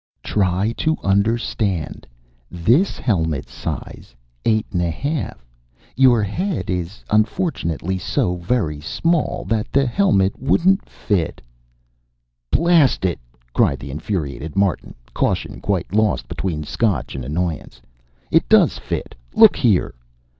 "Try to understand. This helmet's size eight and a half. Your head is unfortunately so very small that the helmet wouldn't fit " "Blast it!" cried the infuriated Martin, caution quite lost between Scotch and annoyance. "It does fit! Look here!"